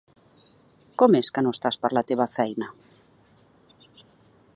Com es que no estàs per la teva feina?